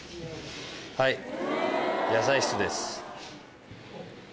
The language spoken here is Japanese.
はい。